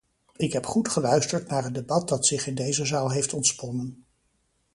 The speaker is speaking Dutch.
Ik heb goed geluisterd naar het debat dat zich in deze zaal heeft ontsponnen.